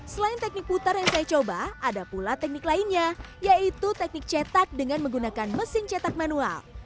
selain teknik putar yang saya coba ada pula teknik lainnya yaitu teknik cetak dengan menggunakan mesin cetak manual